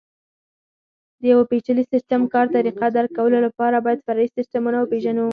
د یوه پېچلي سیسټم کار طریقه درک کولو لپاره باید فرعي سیسټمونه وپېژنو.